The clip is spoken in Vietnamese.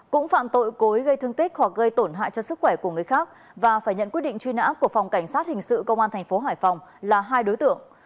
cũng phạm tội cối gây thương tích hoặc gây tổn hại cho sức khỏe của người khác và phải nhận quyết định truy nã của phòng cảnh sát hình sự công an tp hải phòng là hai đối tượng